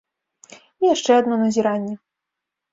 І яшчэ адно назіранне.